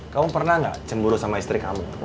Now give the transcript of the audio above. kamu pernah nggak cemburu sama istri kamu